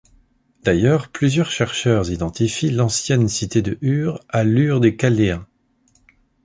D'ailleurs, plusieurs chercheurs identifient l'ancienne cité de Ur à l'Ur des Chaldéens.